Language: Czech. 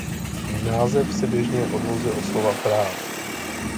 Název se běžně odvozuje od slova "práh".